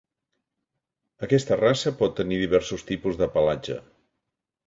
Aquesta raça pot tenir diversos tipus de pelatge.